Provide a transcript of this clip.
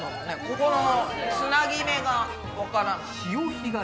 ここのつなぎ目がわからない。